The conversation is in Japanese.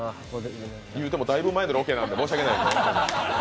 いうてもだいぶ前のロケなんで申し訳ないです。